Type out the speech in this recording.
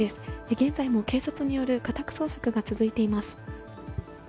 現在も警察による家宅捜索が続いています。